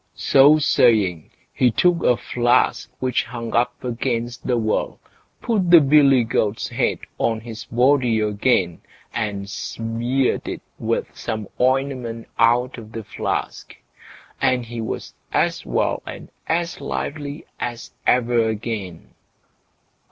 So saying, he took a flask which hung up against the wall, put the billy goat's head on his body again, and smeared it with some ointment out of the flask, and he was as well and as lively as ever again.